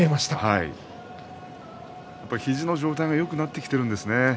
やっぱり肘の状態がよくなってきているんですね。